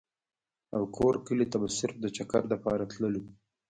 او کور کلي ته به صرف د چکر دپاره تللو ۔